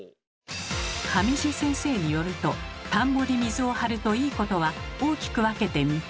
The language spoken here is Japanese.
上地先生によると田んぼに水を張ると「いいこと」は大きく分けて３つ。